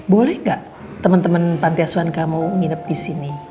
boleh gak temen temen pantai asuhan kamu nginep disini